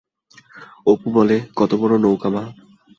অপু বলে, কত বড় নৌকো মা?